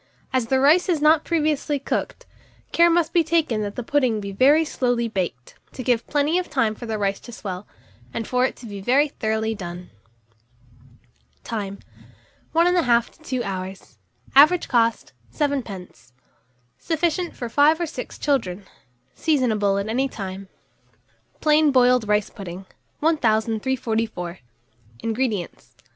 As the rice is not previously cooked, care must be taken that the pudding be very slowly baked, to give plenty of time for the rice to swell, and for it to be very thoroughly done. Time. 1 1/2 to 2 hours. Average cost, 7d. Sufficient for 5 or 6 children. Seasonable at any time. PLAIN BOILED RICE PUDDING. 1344. INGREDIENTS.